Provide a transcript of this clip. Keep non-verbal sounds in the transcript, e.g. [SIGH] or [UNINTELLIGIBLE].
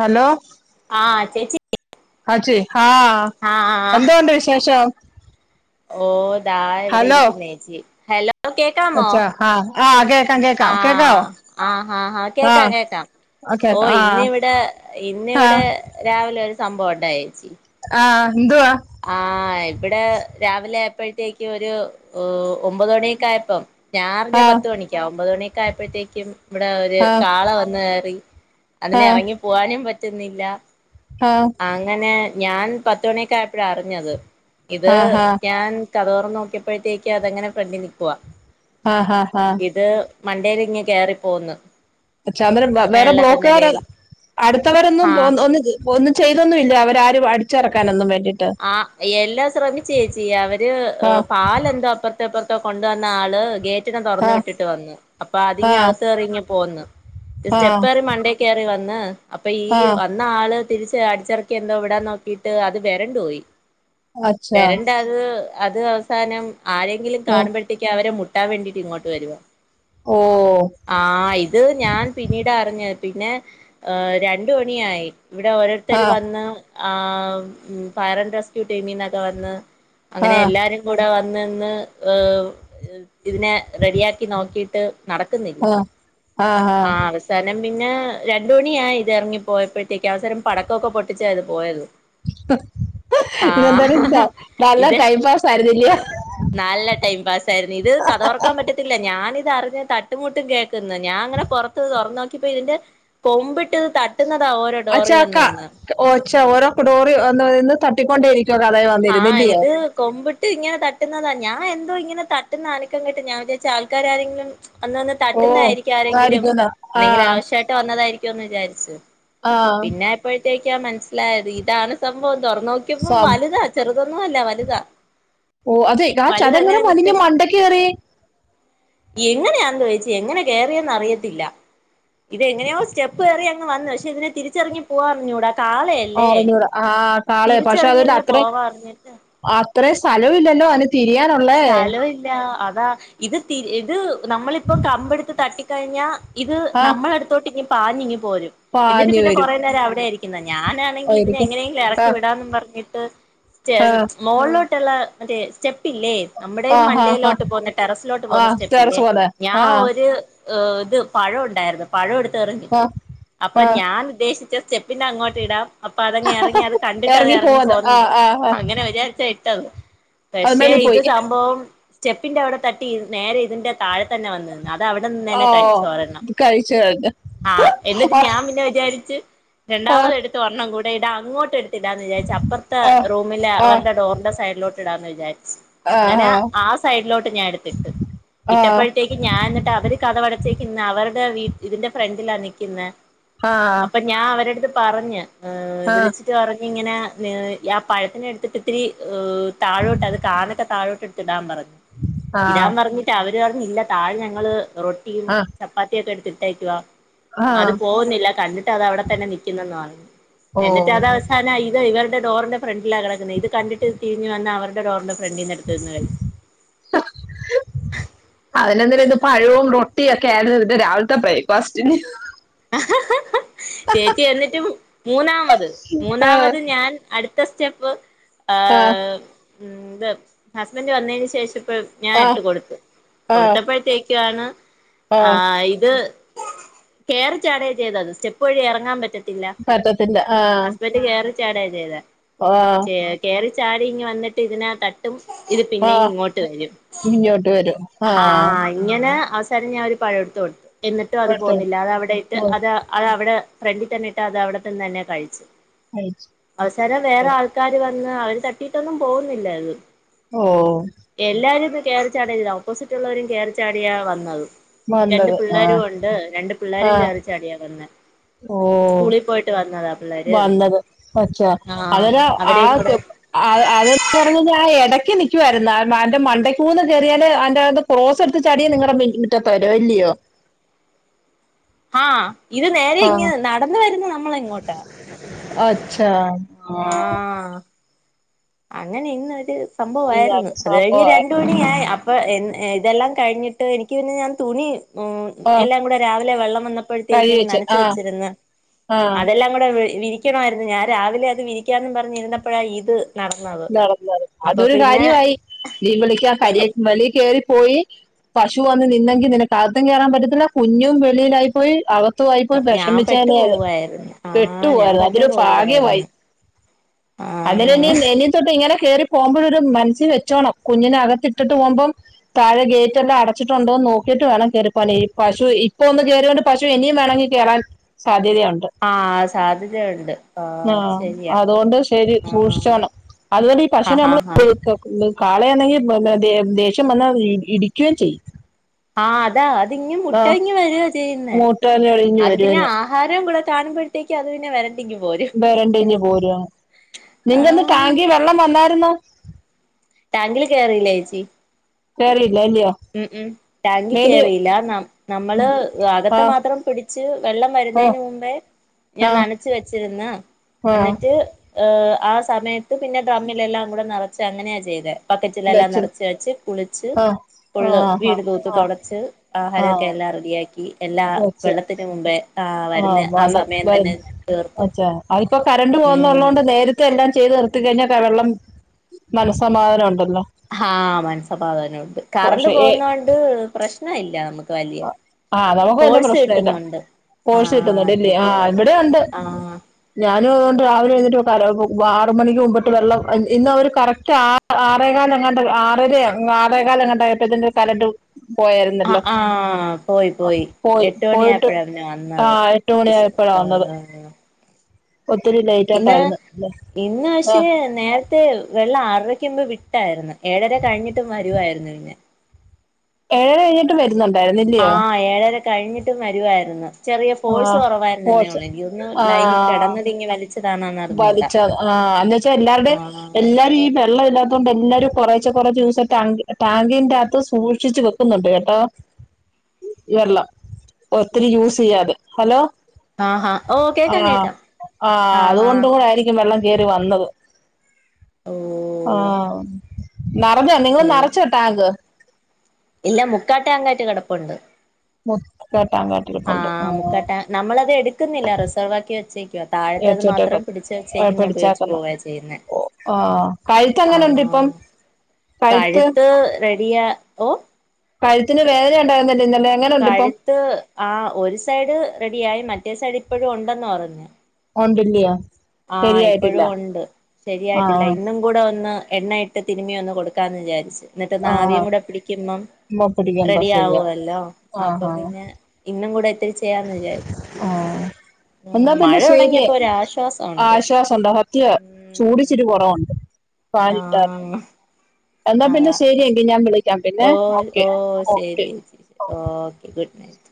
Hello ആഹ് ചേച്ചി അച്ചി ആഹ് ആഹ് എന്തോണ്ട് വിശേഷം ഓതാ ഇവിടെ ഹലോ ഇരിക്കുന്നെച്ചി ഹലോ കേക്കാമോ അച്ചാ ആ ആ കേക്കാം കേക്കാം കേക്കാവോ ആഹ ആഹഹഹാ ആ കേക്കാം കേക്കാം ഓക്കെ ഓഹ് ആ ഇന്നിവിടെ ആ ഇന്നിവിടെ രാവിലെ ഒരു സംഭവണ്ടായേച്ചി ആഹ് തുവാ ആഹ് ഇവിടെ രാവിലെ ആയപ്പോഴത്തേക്ക് ഒരു ഒമ്പത് മണിയക്കയപ്പം ആ ഞാനറിഞ് പത്ത് മണിക്ക ഒമ്പത് മണിയൊക്കെ ആയപ്പോഴത്തേക്കും ഇവിടെ ഒരു ആ കാള വന്ന് കയറി ആ അതിന് ഇറങ്ങി പോവാനും പറ്റുന്നില്ല ആഹ് അങ്ങനെ ഞാൻ പത്തുമണിയക്ക ആയപ്പോഴാ അറിഞ്ഞത് ഇത് ആ ഹാ ഞാൻ കതോർന്ന് നോക്കിയപ്പോഴത്തേക്ക് അതങ്ങനെ ഫ്രണ്ടിൽ നൽക്കുവാ ആഹ് ആഹ് ആഹ് ഇത് മണ്ടേൽ ഇങ് കയറിപ്പോന്ന് പര വേറെ ബ്ലോക്കുകാർ അടുത്തവരൊന്നും ആ പോ ഒന്ന് ഒന്നും ചെയ്തൊന്നുമില്ല്ല അവരാരും അടിച്ചിറക്കാനൊന്നും വേണ്ടിട്ട് ആ എല്ലാം ശ്രമിച്ച ചേച്ചി അവര് ആ പാലെന്തോ അപ്പുറത്തെ പ്പർത്തെ ക്കെ കൊണ്ടുവന്ന ആള് ഗേറ്റ് ഗെറ്റിങ്ങ് ആ തൊറന്ന് വിട്ടിട്ട് വന്നന്ന് അപ്പൊ അതി ആ അകത്ത് കറി പോന്ന് ആ സ്റ്റെപ്പെറി മണ്ടി കേറി വന്ന് അപ്പൊ ഈ ആ വന്ന ആള് തിരിച്ച് അടിച്ചിറക്കി എന്തോ വിടാൻ നോക്കിട്ട് അത് വരണ്ട വരണ്ട് പോയി അച്ഛാ വരണ്ട് അത് അവസാനം ആരെങ്കിലും കാണുമ്പോഴേതേക്കിന് അവരെ മുട്ടാൻ വേണ്ടിട്ട് ഇങ്ങോട്ട് വരുവ ഓഹ് ആഹ് ഇത് ഞാൻ പിന്നീട അറിഞ്ഞത് പിന്നെ ആഹ് രണ്ടു മണിയായി ഇവിടെ ഓരോ ഓരോരുത്തർ ആ വന്ന് ആ ഫയർ ആൻഡ് റെസ്ക്യൂ ടീമന്നൊക്കെ വന്ന് ആ അങ്ങനെ എല്ലാരും കൂടെ വന്ന്ന്ന് ഇതിനെ റെഡിയാക്കി നോക്കിട്ട് നടക്കുന്നില്ല ആ ആ അവശ അവസാനം പിന്നെ രണ്ടു മണിയായി ഇത് എറങ്ങി പോയപ്പോഴത്തേക്ക് അവസരം പടക്കമൊക്കെ പൊട്ടിച്ചാ ഇത് പോയത് ഇന്നന്തര ഇന്ത ആഹ് നല്ല ഇത് കൈ പാ സരിദില്ലിയ നല്ല ടൈം പാസ് ആയിരുന്നു ഇത് കഥോറക്കാൻ പറ്റത്തില്ല ഞാനിതറിഞ്ഞിട്ടില്ല ഞാനിത്തറിഞ് തട്ടുമുട്ടും കേക്ക്ന്ന് ഞാങ്ങനെ തുറന്നോക്കിപ്പോ ഇതിന്റെ കൊമ്പിട്ട് ഇത് തട്ടുന്നതാ ഓരോ ഡോറി അച്ചാക്ക വന്ന് നിന്ന് ച്ചോ ഓരോ ഡോറി വന്ന് നിന്ന് തട്ടിക്കൊണ്ടേരിക്കുവ കഥയകി വന്നിരുന്ന ഇന്റെയോ ഇത് ആഹ് കൊമ്പിട്ട് ഇട്ട് ങ്ങനെ തട്ടുന്നതാ ഞാൻ എന്തോ ഇങ്ങനെ തട്ടുന്നനക്കം കേട്ട് ഞാൻ വിചാർച് ആൾക്കാരെങ്കിലും അന്ന്ന്ന് ഓ തട്ടുന്നതായിരിക്കും ആരെങ്കിലും ആയിരിക്കുന്ന ആ എന്തെങ്കിലും ആവശ്യട്ട് വന്നതായിരിക്കുമന്ന് വിചാരിച്ചു ആ പിന്നെ പ്പോഴത്തേക്കാ മനസ്സിലായത് ഇതാണ് സംഭവം തൊറ നോക്കിയപ്പം സം വലുതാ ചെറുതൊന്നും അല്ല വലുതാ ഓ അതെ ആ വലുത ചതെങ്ങനെ അങ്ങനെ വലിഞ്ഞ് നിക്കുന്നു മണ്ടയ്ക്ക് കയറി എങ്ങനെയാ ന്ന് ചോയ്ച്ച് എങ്ങനെ കയറിയന്ന് അറിയത്തില്ല ഇതെങ്ങനെയോ സ്റ്റെപ്പ് കയറി അങ് വന്ന ശെ ഇതിനെ തിരിച്ചറങ്ങി പോവാർഞ്ഞൂടാ കാളെ ഓറഞ്ഞൂടെ ആ കാള പക്ഷെ അത അത്ര വർണിച്ച അത്ര സ്ഥലവല്ലല്ലോ അന് തിരിയാനുള്ളേ സ്ഥലം അതാ ഇത്തി ഇത് നമ്മളിപ്പം കമ്പ എടുത്ത് തട്ടിക്കഴിഞ്ഞാ ഇത് ആ നമ്മള അടുത്തോട്ട് ഇനി പാഞ്ഞ് ഇങ്ങി പോരും എന്നിട്ട് പാഞ്ഞു പിന്നെ വരും കൊറേ നേരം അവ്ടെ ഇരിക്കുന്നെ ഓ ഞാനാണെങ്കി ഇതിനെ ഇരിക്കും എങ്ങനെയെങ്കിലും ആ എറക്കി വിടാന്ന് പറഞ്ഞിട്ട് സ്റ്റ ആ മോൾട്ട എല്ല മറ്റേ സ്റ്റെ ല്ലേ നമ്മുടെ ഈ ആ ആ ആ മണ്ടയിലോട്ട് പോന്ന ടെറസിലോട്ട് ആ പോന്ന സ്റ്റെപ്പ് ഇല്ലേ ടെറസ് പോന്നെ ഞാൻ ആ ഒര് അ് ഇത് പഴം ഉണ്ടായിരുന്നു പഴം എടുത്ത് എറിഞ്ഞ് ആ അപ്പൊ ആ ഞാൻ ഉദ്ദേശിച്ച സ്റ്റെപ്പിന്റെ അങ്ങോട്ട് ഇടാം അപ്പൊ അതങ്ങ് ഇറങ്ങി അത് കണ്ടിട്ട് അത് ഇറങ്ങി പോവാന്ന് ആ പോന്നമ്പ് ആ ആ അങ്ങനെ വിചാരിച്ച ഇട്ടത് അത് പക്ഷെ മേലെ പോയി ഇത് സംഭവം സ്റ്റെപ്പിന്റെ അവിടെ തട്ടി ഇരി നേരെ ഇതിന്റെ താഴെ തന്നെ വന്നിരുന്നു അത അവിടെ നിന്ന് തന്നെ ആഹ് കഴിച്ചോരണം കഴിച്ചു കഴിഞ്ഞു ആഹ് എന്നിട്ട് ആഹ് ഞാൻ പിന്നെ വിചാരിച്ച് ആഹ് രണ്ടാമത് എടു ഒരണ്ണം കൂടെ ഇടാ അങ്ങോട്ട് എടുത്തിടാം എന്ന് വിചാരിച്ച അപ്പുറത്തെ ആഹ് റൂമിലെ അവടെ ഡോറിന്റെ സൈഡിലോ ടാം എന്ന് വിചാരിച്ച് ആഹ് അങ്ങനെ ആഹ് ആ സൈഡിലോട്ട് ഞാൻ എടുത്തിട്ട് ഇട്ടപ്പോ ആഹ് ഴത്തേക്ക് ഞാൻ എന്നിട്ട് അവര് കതകടച്ചേക്ക്ന്ന് അവരുടെ വീ ഇതിന്റെ ഫ്രണ്ടിലാ നിക്ക്ന്ന ആഹ് ഞാൻ അവരെ അട്ത്ത് പറഞ്ഞ് അ് വിളിച്ചിട്ട് പറഞ്ഞ് ഇങ്ങനെ വേ ആ പഴത്തിനെ എടുത്തിട്ട് ഒത്തിരി അ് താഴോട്ട് അത് കാല്ക്കെ താഴോട്ട് എടുത്തിടാൻ പറഞ്ഞു ആഹ് ഇടാൻ ആഹ് പറഞ്ഞി ട്ടഅവര് പറഞ്ഞ് ഇല്ല താഴെ ഞങ്ങള് റൊട്ടിയും ചപ്പാത്തിയും ഒക്കെ എടുത്തിട്ടേക്കുവ അത് ആഹ് പോകുന്നില്ല കണ്ടിട്ട് അത് അവിടെ തന്നെ നിക്കുനന്ന് പറഞ്ഞ് ഓ എന്നിട്ട് അത അല്ലാ ഇത് ഇവരുടെ ഡോറിന്റെ ഫ്രണ്ടില കിടക്കുന്ന ഇത് കണ്ടിട്ട് തിരിഞ്ഞ് വന്ന് അവരുടെ ഡോറിന്റെ ഫ്രണ്ടിന്ന് എടുത്ത് നിന്ന് കഴി [UNINTELLIGIBLE] അതിനെന്തിന് ഇന്ന് പഴവും റൊട്ടിയും ഒക്കെ ആയിരുന്നു ഇതിൻ്റെ രാവിൽത്തെ ബ്രേക്ക്ഫാസ്റ്റിന് ചേച്ചി എന്നിട്ട് മൂ മൂന്നാമത് ആഹ് മൂന്നാമത് ഞാൻ അടു ടുത്ത സ്റ്റെപ്പ് അ് ആഹ് ഉം ഇത് ഹസ്ബൻഡ് വന്നതിന് ശേഷം ഇപ്പോ ഞാൻ ആഹ് എടുത്ത് കൊടുത്ത് ആഹ് കൊടുത്തപ്പോഴത്തേക്കാണ് ആഹ് ഇത് കേറി ചാടുകയും ചെയ്താത് സ്റ്റെപ്പ് വഴി ഇറങ്ങാൻ പറ്റ ത്തില്ല പറ്റത്തില്ല ആഹ് ഹസ്ബന്റ് കേറി ചാടാ ചെയ്ത ആഹ് ചേ കേറി ചാടി ഇങ്ങ് വന്നിട്ട് ഇതിനാ തട്ടും ഇത് പിന്നെയും ഇങ്ങോട്ട് വരും ഇഞ്ഞോട്ട് വരും ആഹ് ഇങ്ങനെ അവസാനം ഞാൻ ഒരു പഴം എടുത്തു കൊടു എന്നിട്ടും അത് പോവുന്നില്ല അത് അവടെ ഇട്ട് അത് അത് അവടെ ഫ്രണ്ടിൽ തന്നെ ഇട്ട അത് അവിടെത്തന്ന് തന്നെ കഴിച്ചു കഴി അവസാനം വേറെ ആൾക്കാര് വന്ന് അവര് തട്ടിയിട്ടൊന്നും പോകുന്നില്ലാത് ഓഹ് എല്ലാരും പ്പം കേറി ചാടിയ ഓപ്പോസിറ്റ് ഉള്ളോരും കെറി ചാടിയാ വന്നത് രണ്ട് വന്നത് ആഹ് പിള്ളേരും ഉണ്ട് രണ്ട് പിള്ളേരും കേറി ചാടിയാ വന്ന ഓഹ് വന്നത് ഒച്ച ആഹ് അവന് അവരെയും കൂടെ ആദ്യ ആഹ് അത് അതന്ന് പറഞ്ഞ് കഴിഞ്ഞാ ആ ഇടക്ക് നിക്കുകയായിരുന്നു അന്റെ മണ്ടയ്ക്കൂന്ന് കേറിയിട്ട് അയ്ന്റെ ക്രോസ് എടുത്ത് ചാടിയ നിങ്ങളുടെ മിൻമുറ്റത്ത വരു ഇല്ലയോ ആഹ് ഇത് നേരെ ആ ഇങ്ങനെ നടന്ന് വരുന്നത് നമ്മളെ ഇങ്ങോട്ടാ അച്ചാ ആഹ് അങ്ങനെ ഇന്നൊരു സംഭവായിരുന്നു ഇതാണ് അത് കഴിഞ്ഞ് സംഭവം രണ്ട് മണിയായി അപ് അപ്പൊ എൻ ഇതെല്ലാം കഴിഞ്ഞിട്ട് എനിക്ക് പിന്നെ ഞാൻ തുണി ഉം ആ എല്ലാം കൂടെ രാവിലെ വെള്ളം കഴി വന്നപ്പോഴത്തേക്കും വെച്ച് നനച്ച് ആ വെച്ചിരുന്ന് ആ അതെല്ലാം കൂടെ വിരി വിരിക്കണമായിരുന്നു ഞാൻ രാവിലെ അത് വിരിക്കാന്നും പറഞ്ഞിരുന്നപ്പോഴാ ഇത് നടന്നത് നടന്നത് അപ്പൊ അതൊരു പിന്നെ കാര്യമായി നീ വിളക്കാൻ ആഹ് കരിയ മേളി കയറിപ്പോയി പശു വന്ന് നിന്നെങ്കി നിനക്ക് അകത്തും കയറാൻ പറ്റത്തില്ല കുഞ്ഞും വെളിയിലായി പോയി അക ത്തും ആയിപ്പോയി ഞാൻ പെട്ടു വിഷമിച്ചനെ അത് പോവായിരുന്നു ആ പെട്ടു ഞാൻ പോയിരുന്നു പെട്ടു അതൊരു ഭാഗ്യമായി പോവായിരുന്നു ആ അതിന് മുന്നേ നീ ഇട്ട് ഇങ്ങനെ കേറി പോകുമ്പോഴിത് മനസ്സിൽ വെച്ചോണം കുഞ്ഞിനെ അകത്ത് ഇട്ടിട്ട് പോകുമ്പം താഴെേ ഗെയിറ്റ് എല്ലാം അടച്ചിട്ടുണ്ടോ എന്ന് നോക്കിട്ട് വേണം കേറി പോവാൻ ഈ പശു ഇപ്പൊ ഒന്ന് കേറി പശു ഇനിയും വേണമെങ്കി കേറാൻ സാധ്യതയുണ്ട് ആ സാധ്യതയുണ്ട് ആ അത് ആഹ് ശരിയാ അതുകൊണ്ട് ശരി ആ സൂക്ഷിച്ചോണം അതുകൊണ്ട് ഈ ആ പശുന ആ നമ്മ കാളയാണെങ്കിൽ ദേഷ്യം വന്നാൽ ഇടിക്കുകയും ചെയ്യും ആഹ് അതാ അത്ങ്ങങ് മുട്ട ആഹ് ഇങ്ങങ് വരു ചെയ്യുന്നേ മൂട്ടലൊടിഞ്ഞ് അത് പിന്നെ വരുവഞ്ഞ് ആഹാരവും കൂടെ കാണുമ്പോഴത്തേക്ക് അത് പിന്നെ വര വ രണ്ടിഞ്ഞ പോര നിങ്ങന്ന് ആഹ് ടാങ്കി വെള്ളം വന്നായിരുന്നോ ടാങ്കില് കേറില്ലേ ചേച്ചി കെറിയില്ല ഇല്ലയോ ഉം ഉം ടാങ്കി കയറിയില്ല ന നമ്മള് അകത്ത് ആഹ് മാത്രം പിടിച്ച് വെള്ളം ഓ വരുന്നതിന് മുമ്പേ ഞാൻ ആഹ് നനച്ച് വെച്ചിരിന്ന് ആഹ് എന്നിട്ട് ആഹ് സമയത്ത് പിന്നെ ഡ്രമ്മിലെല്ലാം കൂടെ നിറച്ച് അങ്ങനെയാ ചെയ്തത് ബക്കറ്റിലെല്ലാം വെച്ച് നിറച്ച് വച്ച് കുളിച്ച് ആഹ് ഫുള്ള് ആഹ് വീട് തൂത്ത് ആഹ് തുടച്ച് ആഹാരമൊക്കെ ആഹ് എല്ലാം റെഡിയാക്കി എല്ലാ വെച്ച് വെള്ളത്തിന് മുമ്പേ ആഹ് വരുന്ന ആഹ് സമയം തന്നെ തീർത്തു വെച്ചാ അതിപ്പോ കറണ്ട് പോകുന്നള്ളത് ഉം കൊണ്ട് നേര ത്തെ എല്ലാം ചെയ്ത് നിർത്തി കഴിഞ്ഞാൽ വെള്ളം മനസ്സമാധാനം ഉണ്ടല്ലോ ആഹ് മനസ്സമാധാനുണ്ട് കറണ്ട് പക്ഷെ ഏ പോകുന്നോണ്ട് പ്രശ്ന ഇല്ല നമുക്ക് വലിയ ആഹ് നമുക്ക് വന്ന ഫോഴ്സ് പ്രശ്ന ഇല്ല കിട്ടുന്നുണ്ട് [UNINTELLIGIBLE] കിട്ടുന്നു ആഹ് അല്ലയോ നമുക്ക് ആഹ് ഇവിടെുണ്ട് ആഹ് ഞാനും അതുകൊണ്ട് രാവിലെ എഴിട്ട് ആറ് മണിക്ക് മുമ്പിട്ട് വെള്ളം ഇന്ന് അവര് കറക്റ്റ് ആറ ആറേകാല എങ്ങാ ആറ ആറേക്കാല എങ്ങാണ്ടായിപ്പ ഇതിന്റെ കലറു ആഹ് ആഹ് പോയി പോയി എട്ട് മണി ആയപ്പോഴ പിന്നെ വന്നത് ആഹ് എട്ട് ഒത്തിരില്ല പിന്ന ഇന്ന് പക്ഷേ നേരത്തെ വെള്ളം ആറരയ്ക്കുമ്പ് വിട്ടായിരുന്നു ഏഴര കഴിഞ്ഞിട്ടും വരുവായിരുന്നു പിന്നെ [UNINTELLIGIBLE] വരുന്നുണ്ടായിരുന്നു അല്ലേ ആഹ് ഏഴരെ കഴിഞ്ഞിട്ട് വരുവായിരുന്നു ചെറിയ ഫോഴ്സ് ആഹ് കുറവായിരുന്നു തന്നേ സ്പോർട്സ് ഉള്ളൂ എനിക്ക് തോന്ന് ലൈനി ആഹ് കെടന്നതിങ്ങെ വലിച്ചതാണെന്ന വലിച്ച ആഹ് എന്നന്ന് വെച്ചാൽ എല്ലാരുടെ ആഹ് എല്ലാരും ഈ വെള്ളംമില്ലാത്തെ അതൊണ്ട് എല്ലാരും കുറച്ചെ കുറച്ചെ ദിവസം ടാ ടാങ്കിന്റെകത്ത് സൂക്ഷിച്ച് വെക്കുന്നുണ്ട് കേട്ടോ വെള്ളം ഒത്തിരി യൂസ് ചെയ്യാതെ ഹലോ ആഹാ ഓ കേക്കാം ആഹ് കേക്കാം ആഹ് അതുകൊണ്ടും കൂടെ ആയിരിക്കും വെള്ളം കേറി വന്നത് ഓ ആഹ് നിറഞ്ഞോ നിങ്ങൾ വെള്ളം നിറച്ചോ ടാങ്ക് ഇല്ല മുക്കാടാങ്കായിട്ട് കിടപ്പുണ്ട് [UNINTELLIGIBLE] ആഹ് മുക്കാട്ട നമ്മളത് എടുക്കുന്നില്ല റിസർവ് ആക്കി വെച്ചേക്കുവോ താഴത്തത് ഏച്ചോട്ടൊക്കെ മാത്രം പിടിച്ച് വെച്ചേക്കുന്ന ഉപയോഗിച്ച് പിടിച്ചാക്കുന്നു പോവാ ചെയ്യുന്നേ ആഹ് കഴത്ത്ങ്ങനുണ്ട് ഇപ്പം ആഹ് കഴുത്ത് റെഡിയാ ഓ കഴ്ത്തിന് വേദനയ ഉണ്ടായ്‌ര്ന്നല്ലേ ഇന്നലേ കഴുത്ത് ആ ഒരു സൈഡ് റെഡിയായി മറ്റേ സൈഡ് ഇപ്പഴും ഉണ്ടെന്ന് പറഞ്ഞെ ഒണ്ടില്ല്യോ ആഹ് ഇപ്പഴും ഉണ്ട് ശരിയായിട്ടില്ല ആഹ് ഇന്നും കൂടെ ഒന്ന് എണ്ണയിട്ട് തിരുമ്മി ഒന്ന് കൊടുക്കാന്ന് വിചാരിച്ച് എന്നിട്ടന്നാവിയും ആഹ് കൂടെ പിടിക്കുമ്പം പിടിക്കുമ്പോ റെഡി ശരിയാ ആവോല്ലോ ആഹ് അപ്പ ആഹ് പിന്നെ ഇന്നും കൂടെ ഇത്തിരി ചെയ്യാന്ന് വിചാരിച്ച്. ആഹ് ആ മഴ തുടങ്ങിയപ്പോ ഒരാശ്വാസ് ആശ്വാസംണ്ട് സത്യ ചൂടിച്ചിരി കൊറവുണ്ട് ഫാനിട്ടാല് ആഹ് എന്നാ പിന്നെ അതാ ശരിയെങ്കി ഞാൻ വിളിക്കാം പിന്നെ ഓ ഓക്കേ ഓ ഓക്കേ ശരി ഓക്കെ ഗുഡ് നൈറ്റ്